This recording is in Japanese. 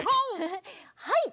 はい！